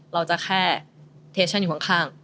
เราจะแค่เทชั่นอยู่ข้าง